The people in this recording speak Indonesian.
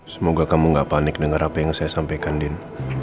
semoga kamu gak panik dengan apa yang saya sampaikan din